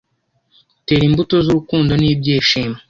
tera imbuto z'urukundo n'ibyishimo